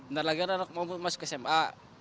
nanti lagi anak masuk sma